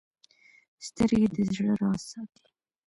سترګې د زړه راز ساتي